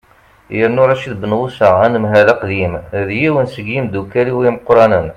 yernu racid benɣusa anemhal aqdim d yiwen seg yimeddukkal-iw imeqqranen